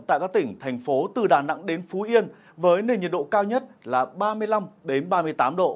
tại các tỉnh thành phố từ đà nẵng đến phú yên với nền nhiệt độ cao nhất là ba mươi năm ba mươi tám độ